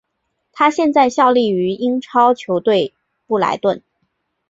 他现在效力于英超球队布莱顿。